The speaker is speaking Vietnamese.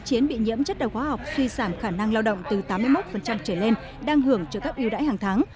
chiến bị nhiễm chất độc hóa học suy giảm khả năng lao động từ tám mươi một trở lên đang hưởng trợ cấp ưu đãi hàng tháng